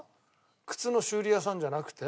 靴の修理屋さんじゃなくて？